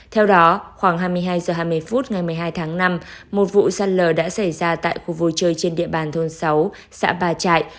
theo đó khoảng hai mươi hai h hai mươi phút ngày một mươi hai tháng năm một vụ sạt lở đã xảy ra tại khu vui chơi trên địa bàn thôn sáu xã ba trại